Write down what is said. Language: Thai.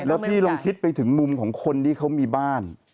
แล้วพี่ลองคิดไปถึงมุมของคนที่เขามีบ้าน